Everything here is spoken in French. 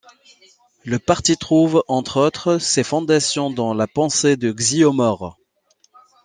Le parti trouve, entre autres, ses fondations dans la pensée de Xio Mor.